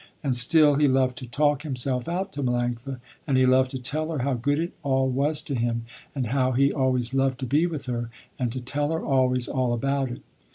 And still he loved to talk himself out to Melanctha, and he loved to tell her how good it all was to him, and how he always loved to be with her, and to tell her always all about it.